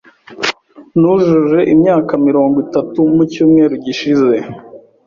Nujuje imyaka mirongo itatu mu cyumweru gishize.